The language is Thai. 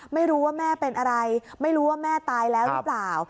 ไม่รู้ว่าแม่เป็นอะไรไม่รู้ว่าแม่ตายแล้วหรือเปล่า